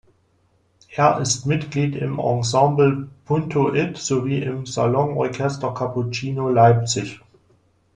Er ist Mitglied im „Ensemble Punto It“, sowie im „Salonorchester Cappuccino“ Leipzig.